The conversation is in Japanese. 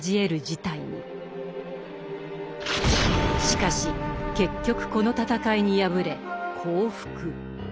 しかし結局この戦いに敗れ降伏。